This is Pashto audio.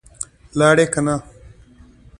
لاړې که نه؟